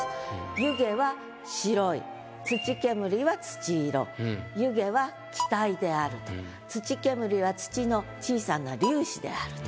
「湯気」は白い「土煙」は土色「湯気」は気体であると「土煙」は土の小さな粒子であると。